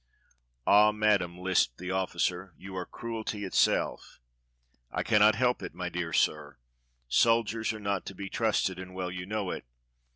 "Ah, Madam," lisped the officer, "you are cruelty itself." "I cannot help it, my dear sir. Soldiers are not to be trusted, and well you know it.